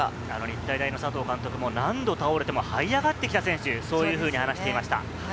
日体大の佐藤監督も何度倒れても這い上がってきた選手、そういうふうに話していました。